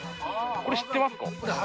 これ知ってますか？